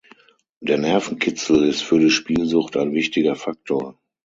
Der Nervenkitzel ist für die Spielsucht ein wichtiger Faktor.